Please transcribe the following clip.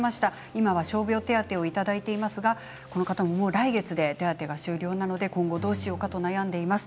今は傷病手当をいただいていますが来月で手当てが終了なので今後どうしようかと悩んでいます。